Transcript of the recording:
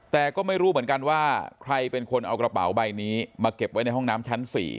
แต่ก็ไม่รู้เหมือนกันว่าใครเป็นคนเอากระเป๋าใบนี้มาเก็บไว้ในห้องน้ำชั้น๔